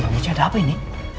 miki ada apa ini